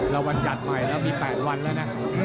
แล้ววันอันจัดใหม่มีแปดวันมาแล้วนะ